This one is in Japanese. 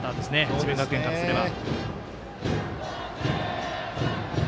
智弁学園からすれば。